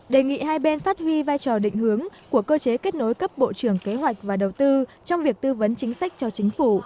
đề nghị hai bên phát huy vai trò định hướng của cơ chế kết nối cấp bộ trưởng kế hoạch và đầu tư trong việc tư vấn chính sách cho chính phủ